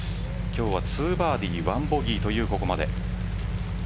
今日は２バーディー１ボギーというここまで。